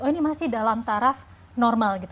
oh ini masih dalam taraf normal gitu